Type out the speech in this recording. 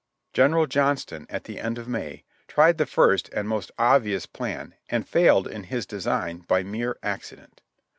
General Johnston, at the end of ]\Iay, tried the first and most obvious plan, and failed in his design by mere accident.